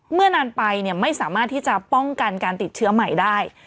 เมื่อนานไปไม่สามารถที่จะป้องกันการติดเชื้อใหม่ได้